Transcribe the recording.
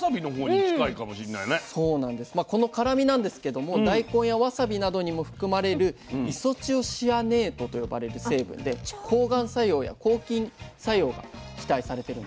この辛みなんですけども大根やわさびなどにも含まれるイソチオシアネートと呼ばれる成分で抗がん作用や抗菌作用が期待されてるんですね。